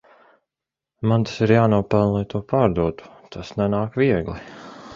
Man tas ir jānopelna lai to pārdotu, tas nenāk viegli.